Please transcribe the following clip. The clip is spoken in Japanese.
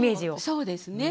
そうですね。